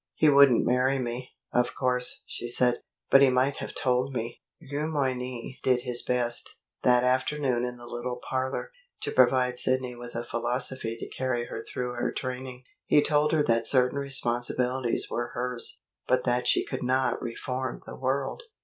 'He wouldn't marry me, of course,' she said; 'but he might have told me.'" Le Moyne did his best, that afternoon in the little parlor, to provide Sidney with a philosophy to carry her through her training. He told her that certain responsibilities were hers, but that she could not reform the world.